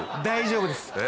大丈夫です。